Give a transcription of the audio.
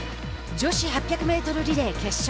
女子８００メートルリレー決勝。